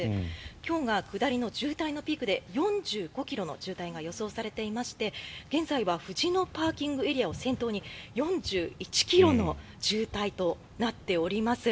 今日が下りの渋滞のピークで４５ｋｍの渋滞が予想されていまして現在は藤野ＰＡを先頭に４１ｋｍの渋滞となっております。